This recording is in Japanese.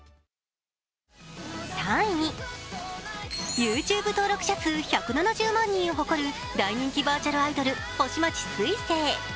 ＹｏｕＴｕｂｅ登録者数１７０万人を誇る、大人気バーチャルアイドル星街すいせい。